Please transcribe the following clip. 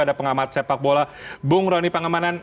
ada pengamat sepak bola bung roni pangemanan